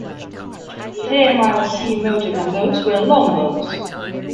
Fairmile C motor gun boats were long boats.